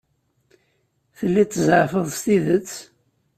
Telliḍ tzeɛfeḍ s tidet?